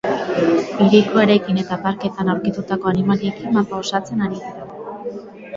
Hiriko eraikin eta parkeetan aurkitutako animaliekin mapa osatzen ari dira.